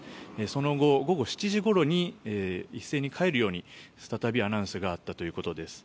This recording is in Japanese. その後、午後７時ごろに一斉に帰るように再びアナウンスがあったということです。